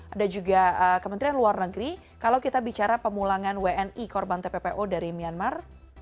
ada juga kementerian luar negeri kalau kita bicara pemulangan wni korban tppo dari myanmar